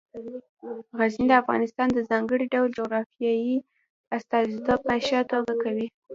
غزني د افغانستان د ځانګړي ډول جغرافیې استازیتوب په ښه توګه کوي.